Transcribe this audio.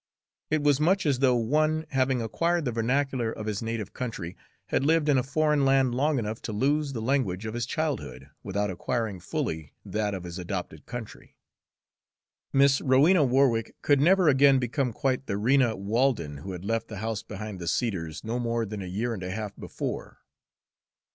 It was much as though one, having acquired the vernacular of his native country, had lived in a foreign land long enough to lose the language of his childhood without acquiring fully that of his adopted country. Miss Rowena Warwick could never again become quite the Rena Walden who had left the house behind the cedars no more than a year and a half before.